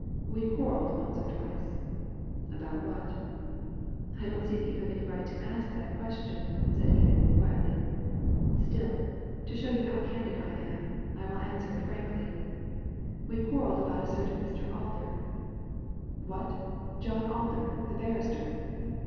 We quarrelled once or twice." ''About what?" '* I don't see that you have any right to ask that question," said Edith, quietly. "Still, to show you Digitized by Google STRANGE BEHAVIOUR 103 how candid I am, I will answer it frankly. We quarrelled about a certain Mr. Alder." "What I John Alder the barrister?"